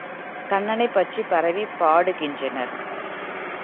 கண்ணனைப் பற்றிப் பரவிப் பாடுகின்றனர்.